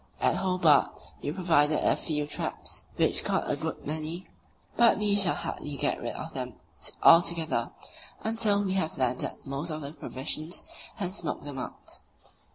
At Hobart we provided a few traps, which caught a good many; but we shall hardly get rid of them altogether until we have landed most of the provisions, and smoked them out.